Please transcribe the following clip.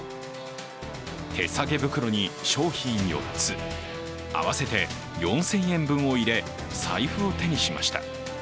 手提げ袋に商品４つ合わせて４０００円分を入れ財布を手にしました。